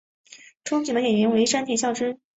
憧憬的演员为山田孝之。